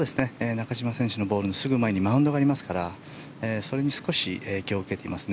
中島選手のボールのすぐ前にマウンドがありますからそれに少し影響を受けています。